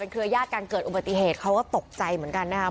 เครือยาศการเกิดอุบัติเหตุเขาก็ตกใจเหมือนกันนะครับ